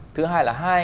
thứ hai là hai